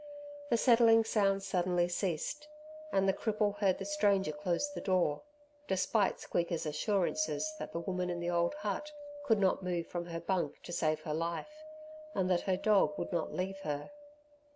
The settling sounds suddenly ceased, and the cripple heard the stranger close the door, despite Squeaker's assurances that the woman in the old hut could not move from her bunk to save her life, and that her dog would not leave her.